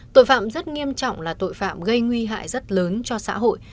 tội phạm rất nghiêm trọng là tội phạm gây nguy hại rất lớn cho xã hội